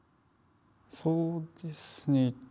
そうですね。